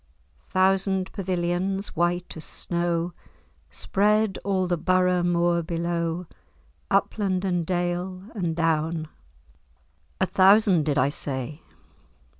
"Thousand pavilions, white as snow, Spread all the Borough moor below, Upland, and dale, and down:— A thousand, did I say?